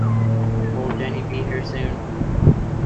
Will Jenny be here soon?